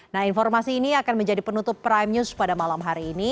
nah informasi ini akan menjadi penutup prime news pada malam hari ini